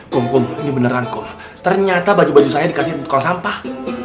kum kum ini beneran kum ternyata baju baju saya dikasih tukang sampah